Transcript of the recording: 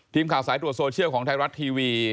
ทีมข่าวสายตรวจโซเชียลของไทยรัฐทีวี